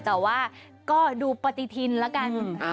แต่ว่าก็ดูปฏิทินแล้วกัน